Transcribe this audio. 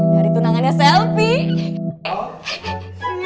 dari tunangannya selfie